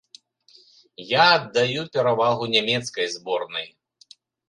Я аддаю перавагу нямецкай зборнай.